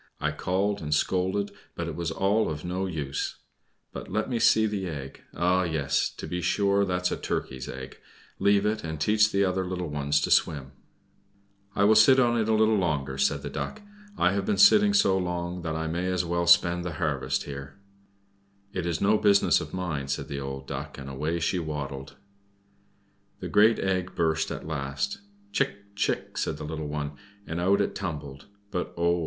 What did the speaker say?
I called and scolded, but it was all of no use. But let me see the egg ah, yes! to be sure, that is a turkey's egg. Leave it, and teach the other little ones to swim." [Illustration: The Ugly Duckling "What is the Matter?" asked the Old Woman] "I will sit on it a little longer," said the Duck. "I have been sitting so long, that I may as well spend the harvest here." "It is no business of mine," said the old Duck, and away she waddled. The great egg burst at last. "Chick! chick!" said the little one, and out it tumbled but, oh!